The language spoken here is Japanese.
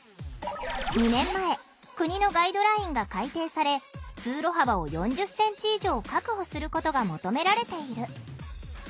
２年前国のガイドラインが改訂され通路幅を４０ｃｍ以上確保することが求められている。